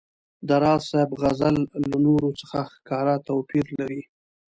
د راز صاحب غزل له نورو څخه ښکاره توپیر لري.